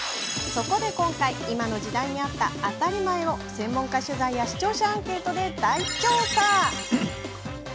そこで、今回今の時代に合った当たり前を専門家取材や視聴者アンケートで大調査。